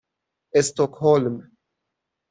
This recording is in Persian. استکهلم